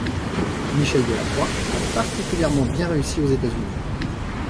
Michel Delacroix a particulièrement bien réussi aux États-Unis.